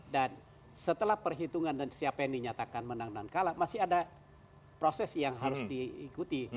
dan setelah perhitungan dan siapa yang dinyatakan menang dan kalah masih ada proses yang harus diikuti